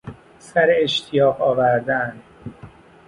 سر اشتیاق آوردن